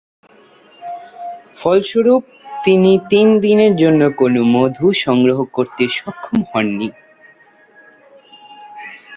ফলস্বরূপ, তিনি তিন দিনের জন্য কোন মধু সংগ্রহ করতে সক্ষম হন নি।